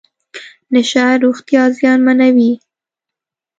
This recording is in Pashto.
نشه روغتیا زیانمنوي .